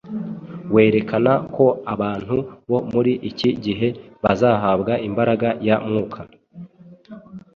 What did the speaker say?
werekana ko abantu bo muri iki gihe bazahabwa imbaraga ya Mwuka